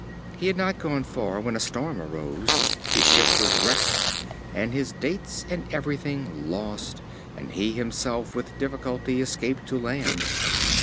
He had not gone far when a storm arose; his ship was wrecked, and his Dates and everything lost, and he himself with difficulty escaped to land.